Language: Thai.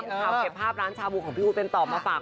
ข่าวเก็บภาพร้านชาบูของพี่อู๋เป็นตอบมาฝาก